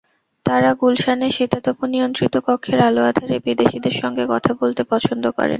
তাঁরা গুলশানের শীতাতপনিয়ন্ত্রিত কক্ষের আলো-আঁধারে বিদেশিদের সঙ্গে কথা বলতে পছন্দ করেন।